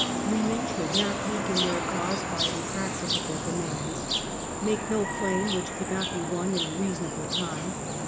Women should not weaken their cause by impracti cable demands. Make no claim which could not be won in a reasonable time.